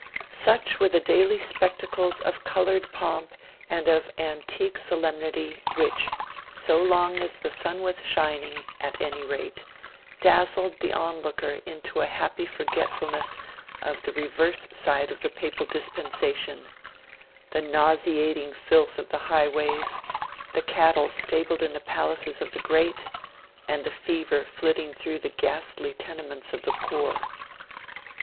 Such were the daily spectacles of coloured pomp and of antique solemnity, which so long as the sun was shining, at any rate dazzled the onlooker into a happy forgetfulness of the reverse side of the Papal dispensation the nauseating filth of the highways, the cattle stabled in the palaces of the great, and the fever flitting through the ghastly tenements of the poor.